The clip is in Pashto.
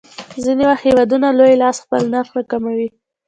ځینې وخت هېوادونه لوی لاس خپل نرخ راکموي.